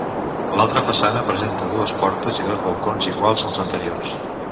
L’altra façana presenta dues portes i dos balcons iguals als anteriors.